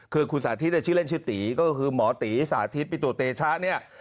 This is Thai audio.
คือคุณสาธิตชื่อเล่นชื่อตีก็คือหมอตีสาธิตปิตุเตชะเนี่ย